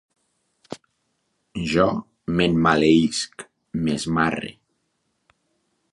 Jo m'emmaleïsc, m'esmarre